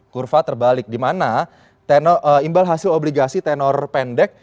kurva terbalik dimana imbal hasil obligasi tenor pendek